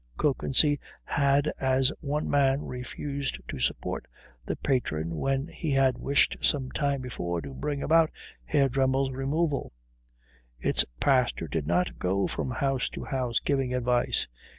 Kökensee had as one man refused to support the patron when he had wished some time before to bring about Herr Dremmel's removal. Its pastor did not go from house to house giving advice.